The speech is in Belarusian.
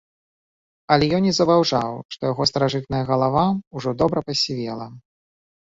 Але ён не заўважаў, што яго стрыжаная галава ўжо добра пасівела.